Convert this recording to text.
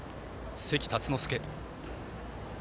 関辰之助。